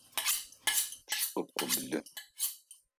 Пшӏыкӏублы.